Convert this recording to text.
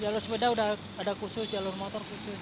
jalur sepeda sudah ada khusus jalur motor khusus